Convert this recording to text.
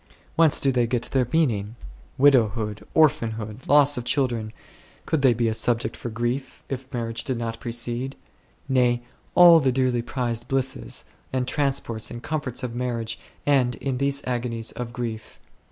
Whence do they get their meaning? "Widowhood," "orphanhood," "loss of children," could they be a subject for grief, if marriage did not precede? Nay, all the dearly prized blisses, and transports, and comforts of marriage end in these agonies of grief.